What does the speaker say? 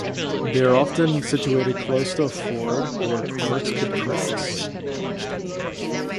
They are often situated close to a ford where carts could cross.